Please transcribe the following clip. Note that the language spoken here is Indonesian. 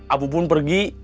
abu bun pergi